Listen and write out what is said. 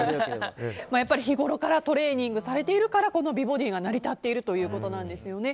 日頃からトレーニングされているから美ボディーが成り立っているということですね。